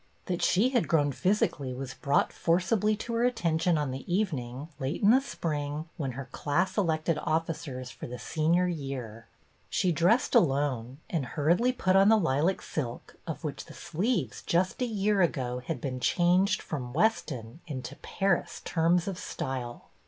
That she had grown physically was brought forcibly to her attention on the evening, late in the spring, when her class elected officers for the senior year. She dressed alone, and hurriedly put on the lilac silk, of which the sleeves, just a year ago, had been changed from Weston into Paris terms of style.